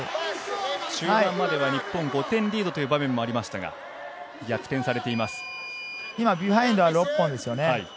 中盤までは５点リードという場面もありましたが日本、今ビハインドは６本です。